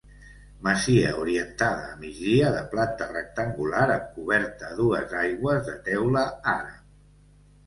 Masia orientada a migdia de planta rectangular amb coberta a dues aigües de teula àrab.